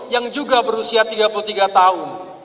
yang juga berusia tiga puluh tiga tahun